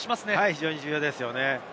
非常に重要ですね。